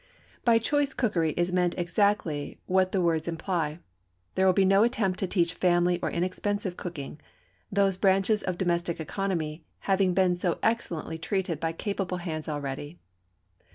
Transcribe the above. By choice cookery is meant exactly what the words imply. There will be no attempt to teach family or inexpensive cooking, those branches of domestic economy having been so excellently treated by capable hands already.